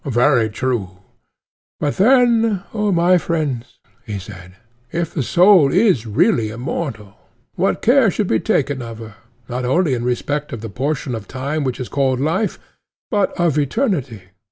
Very true. But then, O my friends, he said, if the soul is really immortal, what care should be taken of her, not only in respect of the portion of time which is called life, but of eternity!